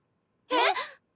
えっ⁉